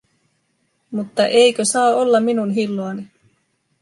Mutta eikö saa olla minun hilloani?